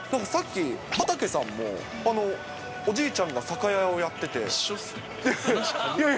さっき畠さんもおじいちゃんが酒屋をやってて。